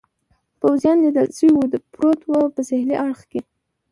پوځیان لیدل شوي و، پروت و، په سهېلي اړخ کې.